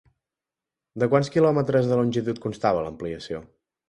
De quants quilòmetres de longitud constava l'ampliació?